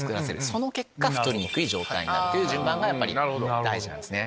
その結果太りにくい状態になるという順番がやっぱり大事なんですね。